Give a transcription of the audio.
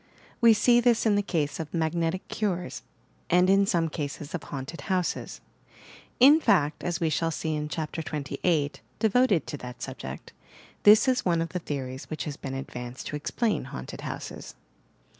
We see this in the case of "magnetic cures," and in some cases of "haunted houses." In fact, — PSTCHOMETKY 85 . we shall see in Chapter XXVIII, devoted to that sub ject, — this is one of the theories which has been advanced to explain haunted houses.